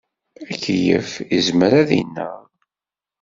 Akeyyef yezmer ad ineɣ.